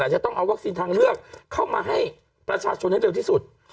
จะต้องเอาวัคซีนทางเลือกเข้ามาให้ประชาชนให้เร็วที่สุด